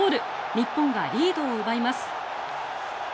日本がリードを奪います。